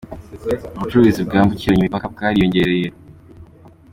Ubucuruzi bwambukiranya imipaka bwariyongereye